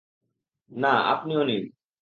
না, আপনিও নিন।